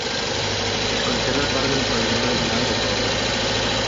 Es conserva part del paviment original de còdols.